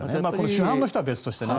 主犯の人は別としてね。